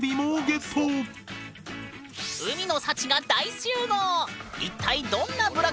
海の幸が大集合！